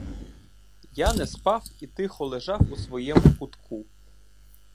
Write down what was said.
Я не спав і тихо лежав у своєму кутку.